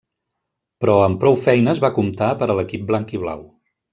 Però, amb prou feines va comptar per a l'equip blanc-i-blau.